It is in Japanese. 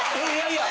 いや